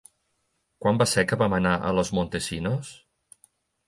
Quan va ser que vam anar a Los Montesinos?